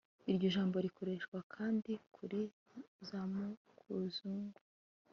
iryo jambo rikoreshwa kandi kuri za makuzungu